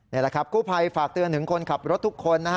นี่แหละครับกู้ภัยฝากเตือนถึงคนขับรถทุกคนนะฮะ